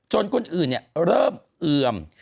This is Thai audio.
จนคนอื่นเนี่ยเริ่มเอือม